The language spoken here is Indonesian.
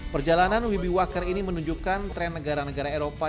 perjalanan wibi wacker ini menunjukkan tren negara negara eropa